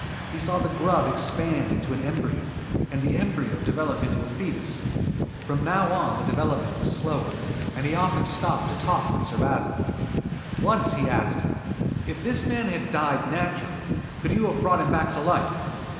He saw the grub expand into an embryo, and the embryo develop into a foetus. From now on the development was slower, and he often stopped to talk with Sir Basil. Once he asked: "If this man had died naturally, could you have brought him back to life?"